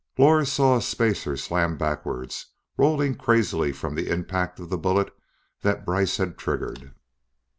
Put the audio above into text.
Lors saw a spacer slam backwards, rolling crazily from the impact of the bullet that Brice had triggered.